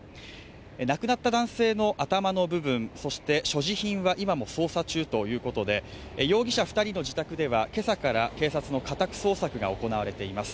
亡くなった男性の頭の部分そして所持品は今も捜査中ということで、容疑者２人の自宅では今朝から警察の家宅捜索が行われています。